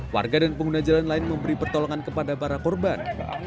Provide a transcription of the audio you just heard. warga dan pengguna jalan lain memberi pertolongan kepada para korban